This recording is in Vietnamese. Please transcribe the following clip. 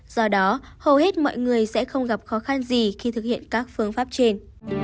do đó hầu hết mọi người sẽ không gặp khó khăn gì khi thực hiện các phương pháp trên